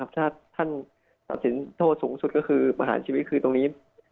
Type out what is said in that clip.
ถ้าท่านตัดสินโทษสูงสุดก็คือประหารชีวิตคือตรงนี้